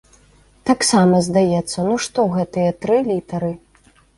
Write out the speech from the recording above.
Таксама, здаецца, ну што гэтыя тры літары?